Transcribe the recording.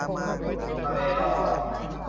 ทะเลรอสส์